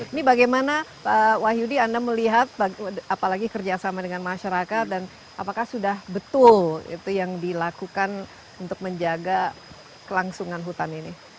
ini bagaimana pak wahyudi anda melihat apalagi kerjasama dengan masyarakat dan apakah sudah betul itu yang dilakukan untuk menjaga kelangsungan hutan ini